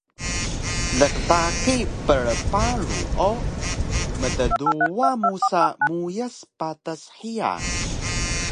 Lqlaqi prparu o mtduwa musa muyas patas hiya